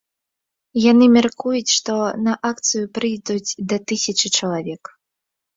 Яны мяркуюць, што на акцыю прыйдуць да тысячы чалавек.